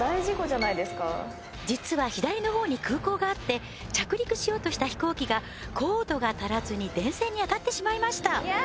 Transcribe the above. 実は左の方に空港があって着陸しようとした飛行機が高度が足らずに電線に当たってしまいました